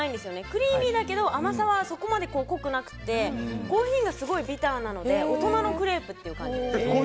クリーミーだけど甘さはそこまで濃くなくてコーヒーがすごいビターなので大人のクレープという感じです。